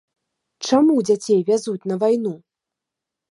Чаму дзяцей вязуць на вайну?